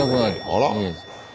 あら。